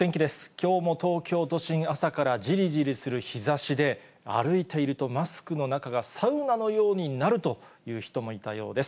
きょうも東京都心、朝からじりじりする日ざしで、歩いているとマスクの中がサウナのようになるという人もいたようです。